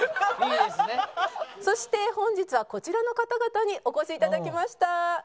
そして本日はこちらの方々にお越し頂きました。